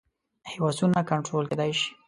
هوسونه کنټرول کېدای شي.